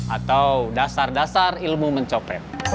atau dasar dasar ilmu mencopet